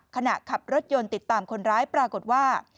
ขับรถยนต์ติดตามคนร้ายปรากฏว่า